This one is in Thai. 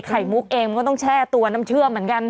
มุกเองมันก็ต้องแช่ตัวน้ำเชื่อเหมือนกัน